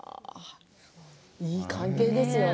いい関係ですよね